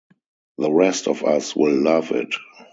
The rest of us will love it.